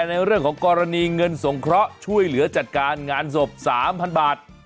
ในเรื่องของกรณีเงินสงเคราะห์ช่วยเหลือจัดการงานศพ๓๐๐บาท